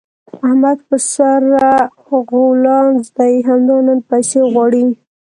احمد په سره غولانځ دی؛ همدا نن پيسې غواړي.